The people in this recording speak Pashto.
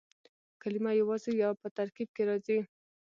کلیمه یوازي یا په ترکیب کښي راځي.